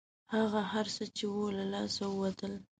هغه هر څه چې وو له لاسه ووتل.